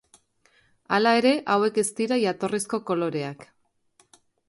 Hala ere hauek ez dira jatorrizko koloreak.